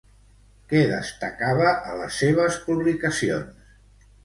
Què destacava a les seves publicacions?